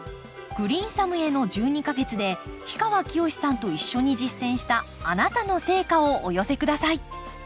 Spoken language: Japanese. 「グリーンサムへの１２か月」で氷川きよしさんと一緒に実践したあなたの成果をお寄せ下さい。